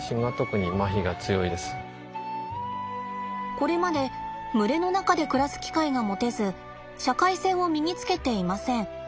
これまで群れの中で暮らす機会が持てず社会性を身につけていません。